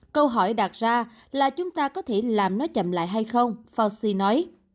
câu hỏi đạt ra là chúng ta có thể làm nó chậm lại hay không fauci nói